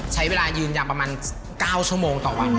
ใช้เวลายืนยาวประมาณ๙ชั่วโมงต่อวัน